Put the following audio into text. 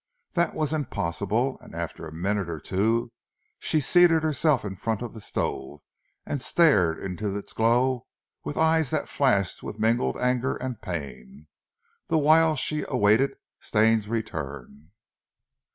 That was impossible, and after a minute or two she seated herself in front of the stove and stared into its glow with eyes that flashed with mingled anger and pain, the while she awaited Stane's return.